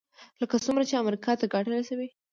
لکه څومره چې امریکا ته ګټه رسوي.